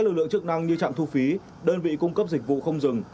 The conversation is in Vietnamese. các lực lượng chức năng như trạm thu phí đơn vị cung cấp dịch vụ không dừng